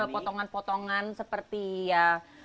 potongan potongan seperti ya